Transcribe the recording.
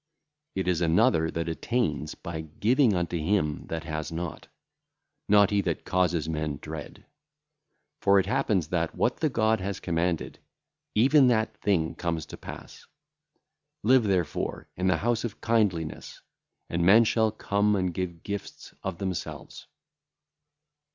It is another that attaineth by giving unto him that hath not; not he that causeth men dread. For it happeneth that what the God hath commanded, even that thing cometh to pass. Live, therefore, in the house of kindliness, and men shall come and give gifts of themselves.